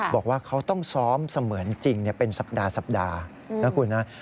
บอกว่าเขาต้องซ้อมเสมือนจริงเป็นสัปดาห์สัปดาห์นะคุณนะ